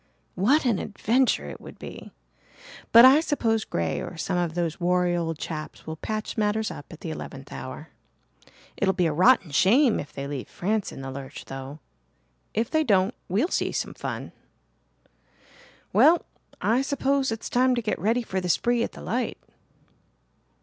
"What an adventure it would be! But I suppose Grey or some of those wary old chaps will patch matters up at the eleventh hour. It'll be a rotten shame if they leave France in the lurch, though. If they don't, we'll see some fun. Well, I suppose it's time to get ready for the spree at the light."